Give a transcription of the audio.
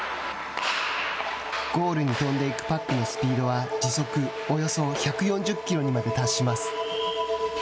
ゴールに飛んでいくパックのスピードは時速およそ１４０キロにまで達します。